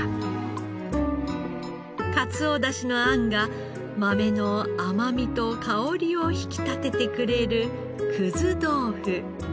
カツオ出汁のあんが豆の甘みと香りを引き立ててくれるくず豆腐。